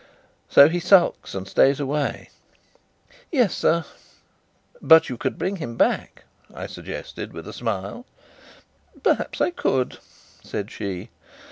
"So he sulks and stays away?" "Yes, sir." "But you could bring him back?" I suggested with a smile. "Perhaps I could," said she.